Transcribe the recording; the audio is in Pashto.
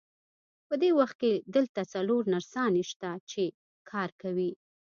په دې وخت کې دلته څلور نرسانې شته، چې کار کوي.